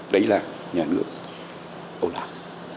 đấy là nhà nước âu lạc